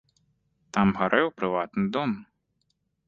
Там гарэў прыватны дом.